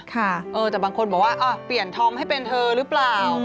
แต่บางคนบอกว่าเปลี่ยนธอมให้เป็นเธอหรือเปล่า